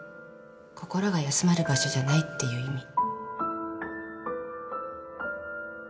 心が休まる場所じゃないっていう意味